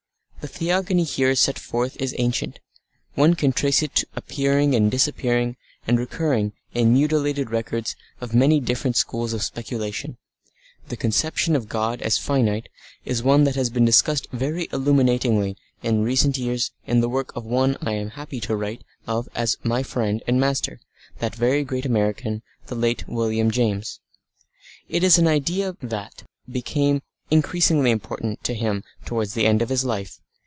The theogony here set forth is ancient; one can trace it appearing and disappearing and recurring in the mutilated records of many different schools of speculation; the conception of God as finite is one that has been discussed very illuminatingly in recent years in the work of one I am happy to write of as my friend and master, that very great American, the late William James. It was an idea that became increasingly important to him towards the end of his life.